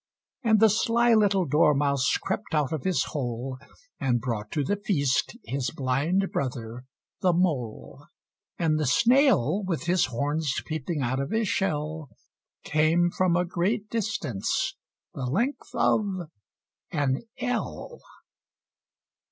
And the sly little Dormouse crept out of his hole, And brought to the feast his blind Brother, the Mole, And the Snail, with his horns peeping out of his shell, Came from a great distance, the length of an ell.